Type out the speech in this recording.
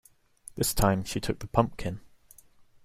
This time she shook the pumpkin.